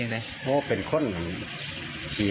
ยังไง